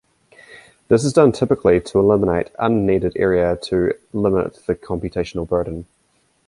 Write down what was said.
This is done typically to eliminate unneeded area to limit the computational burden.